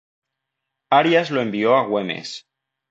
Arias lo envió a Güemes.